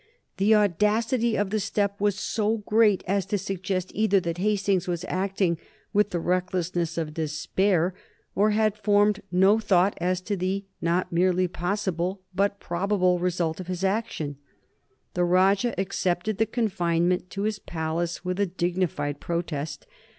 The audacity of the step was so great as to suggest either that Hastings was acting with the recklessness of despair, or had formed no thought as to the not merely possible but probable result of his action. The Rajah accepted the confinement to his palace with a dignified protest.